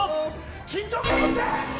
緊張感持って！